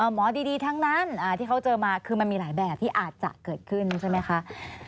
หมอดีทั้งนั้นที่เขาเจอมาคือมันมีหลายแบบที่อาจจะเกิดขึ้นใช่ไหมคะ